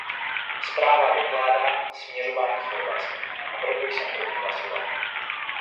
Zpráva dokládá směřování Chorvatska, a proto jsem pro ni hlasoval.